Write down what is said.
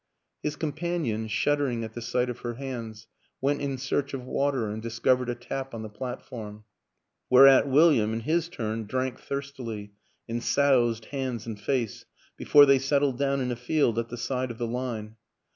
His companion, shuddering at the sight of her hands, went in search of water and discov ered a tap on the platform; whereat William, in his turn, drank thirstily and soused hands and face before they settled down in a field at the side of the line.